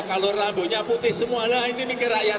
kalau rambutnya putih semuanya